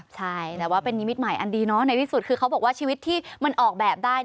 ใช่แต่ว่าเป็นนิมิตใหม่อันดีในที่สุดคือเขาบอกว่าชีวิตที่มันออกแบบได้